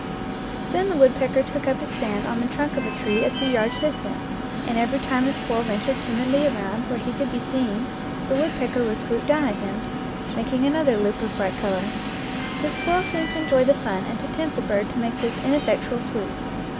Then the woodpecker took up his stand on the trunk of a tree a few yards distant, and every time the squirrel ventured timidly around where he could be seen the woodpecker would swoop down at him, making another loop of bright color. The squirrel seemed to enjoy the fun and to tempt the bird to make this ineffectual swoop.